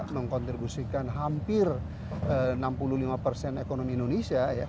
mengkontribusikan hampir enam puluh lima persen ekonomi indonesia